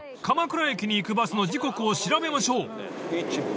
鎌倉駅に行くバスの時刻を調べましょう］